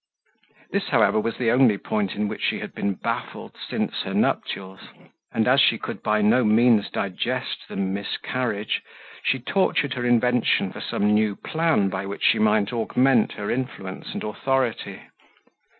This, however, was the only point in which she had been baffled since her nuptials; and as she could by no means digest the miscarriage, she tortured her invention for some new plan by which she might augment her influence and authority.